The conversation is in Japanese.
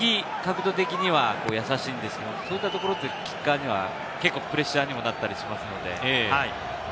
比較的、角度的には優しいんですけれど、そういったところ、キッカーには結構プレッシャーにもなったりしますので。